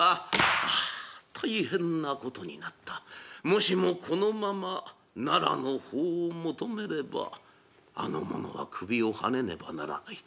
もしもこのまま奈良の法を求めればあの者は首をはねねばならない。